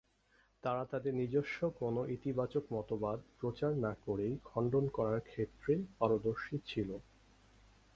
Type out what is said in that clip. তারা তাদের নিজস্ব কোনো ইতিবাচক মতবাদ প্রচার না করেই খণ্ডন করার ক্ষেত্রে পারদর্শী ছিল।